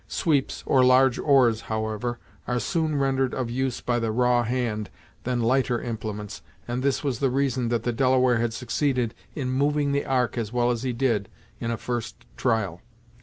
Sweeps, or large oars, however, are sooner rendered of use by the raw hand than lighter implements, and this was the reason that the Delaware had succeeded in moving the Ark as well as he did in a first trial.